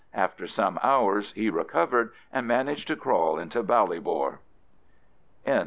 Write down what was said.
After some hours he recovered and managed to crawl into Ballybor. XVI.